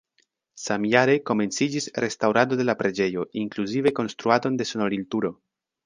Samjare komenciĝis restaŭrado de la preĝejo, inkluzive konstruadon de sonorilturo.